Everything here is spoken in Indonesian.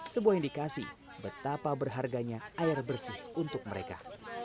sebuah indikasi betapa berharganya air bersih untuk mereka